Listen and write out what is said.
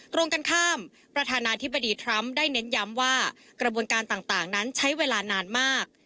ตรงกันข้ามประธานาธิบดีทรัมป์ได้เน้นย้ำว่ากระบวนการต่างนั้นใช้เวลานานมาก